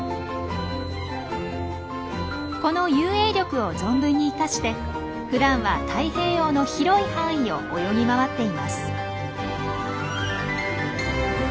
この遊泳力を存分に生かしてふだんは太平洋の広い範囲を泳ぎ回っています。